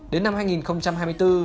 đến năm hai nghìn hai mươi bốn